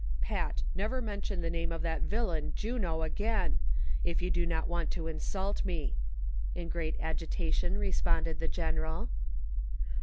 "Pat, never mention the name of that villain, Juno, again, if you do not want to insult me," in great agitation responded the general.